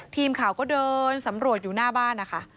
ทีมข่าวก็เดินสำรวจอยู่หน้าบ้านนะคะ